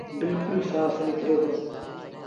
بلڪُل سآڦ نڪري دو۔